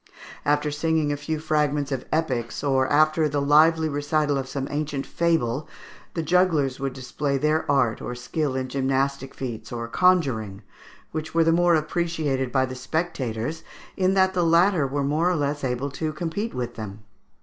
After singing a few fragments of epics, or after the lively recital of some ancient fable, the jugglers would display their art or skill in gymnastic feats or conjuring, which were the more appreciated by the spectators, in that the latter were more or less able to compete with them.